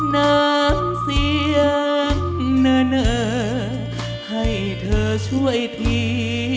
น้ำเสียงเนอให้เธอช่วยที